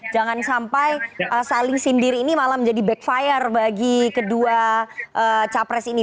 jangan sampai saling sindir ini malah menjadi backfire bagi kedua capres ini